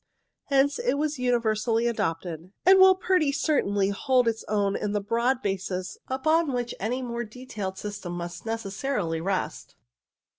Hence it was universally adopted, and will pretty certainly hold its own as the broad basis upon which any more detailed system must necessarily rest.